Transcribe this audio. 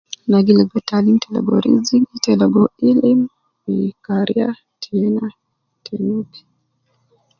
Na gi ligo taalim te ligo rizigi te ligo ilim fi kariya tena te nubi.